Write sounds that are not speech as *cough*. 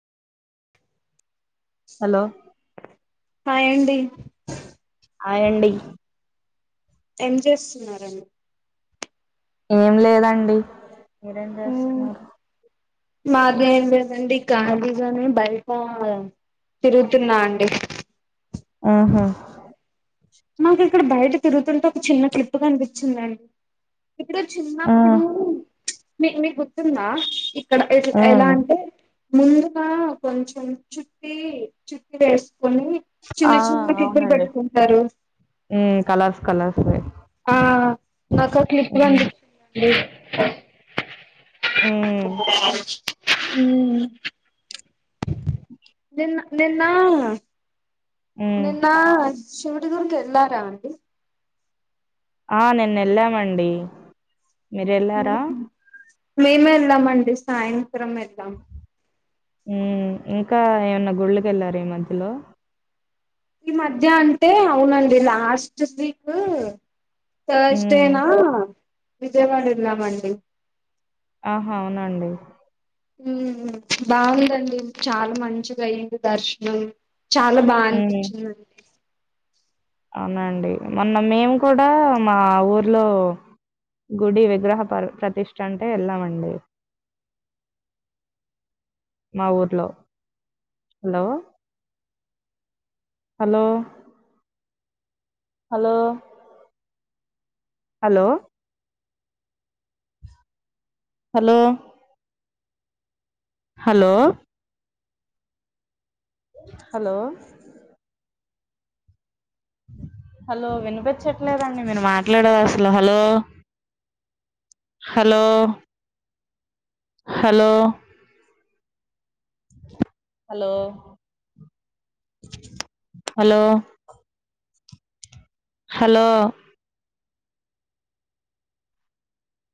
hello hi అండి hi అండి ఏం చేస్తున్నారండి ఏం లేదండి మీరేం చేస్తున్నారు మాది ఏం లేదండి కాళీగానే బయట తిరుగుతున్నా అండి ఆహా మాకు ఇక్కడ బయట తిరుగుతుంటే ఒక చిన్న క్లిప్ కనిపించిందండి ఎప్పుడో ఉ చిన్నప్పుడు మీ మీకు గుర్తుందా ఇక్కడ ఎ ఎలా ఉ అంటే ముందుగా కొంచం చుట్టి చుట్టి వేసుకొని చిన్న ఆ చిన్న క్లిప్పులు అవునండి పెట్టుకుంటారు ఉమ్ కలర్స్ కలర్స్ వి ఆ నాక క్లిప్ కనిపించింది ఉమ్ ఉమ్ నిన్న నిన్న ఉమ్ నిన్న శివడి గుడికి వెళ్లారా అండి ఆ నిన్న వెళ్ళామండి మీరు వెళ్ళారా మేమే వెళ్ళామండి సాయంత్రం వెళ్ళాం ఉ ఇంకా ఏమన్నా గుళ్ళకి వెళ్ళారా ఈ మధ్యలో ఈ మధ్య అంటే అవునండి లాస్ట్ వీక్ ఉమ్ థర్స్డేనా విజయవాడ వెళ్ళామండి ఆహ అవునా అండి బాగుందండి చాలా మంచిగా అయింది దర్శనం చాలా బా ఉమ్ అనిపించింది అండి అవునండి మొన్న మేము కూడా మా ఊర్లో గుడి విగ్రహ ప్రతిష్ట అంటే వెళ్ళామండి అ *inaudible* మా ఊర్లో hello hello hello hello hello hello hello hello వినుపించట్లేదండి మీరు మాట్లాడేది అసలు hello hello hello hello hello hello